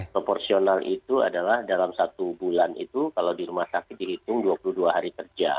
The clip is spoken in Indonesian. dan proporsional itu adalah dalam satu bulan itu kalau di rumah sakit dihitung dua puluh dua hari kerja